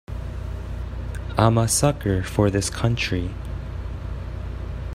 I'm a sucker for this country.